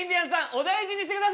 お大事にしてください！